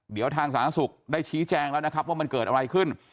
เดี๋ยวทางสาธารณสุขได้ชี้แจงแล้วนะครับว่ามันเกิดอะไรขึ้น